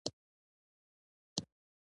مينې له ننوتو سره سم په ټيټ غږ سلام وکړ.